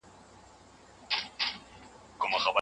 که باران وي نو تازه ګي نه ورکیږي.